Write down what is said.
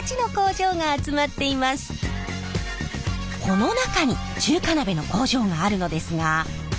この中に中華鍋の工場があるのですがそこはなんと！